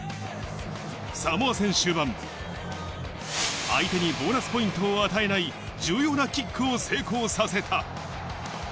サモア戦終盤、相手にボーナスポイントを与えない重要なキックを成功させた。